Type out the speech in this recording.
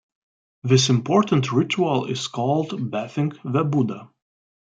This important ritual is called 'Bathing the Buddha'.